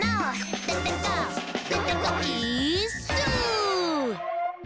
「デテコデテコイーッス」